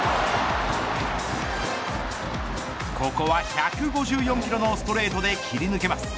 ここは１５４キロのストレートで切り抜けます。